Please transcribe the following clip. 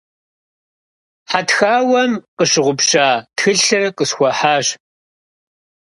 Хьэтхауэм къыщыгъупща тхылъыр къысхуахьащ.